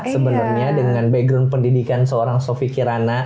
sebenarnya dengan background pendidikan seorang sofi kirana